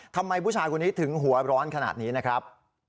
ทำไมผู้ชายคนนี้ถึงหัวร้อนขนาดนี้นะครับ